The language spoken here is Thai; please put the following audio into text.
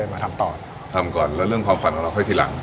มาทำต่อทำก่อนแล้วเรื่องความฝันของเราค่อยทีหลัง